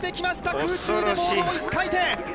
空中でボードを１回転。